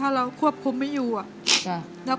พี่พารอบนี้หมอบอกกับพี่พาว่าไงมั้ง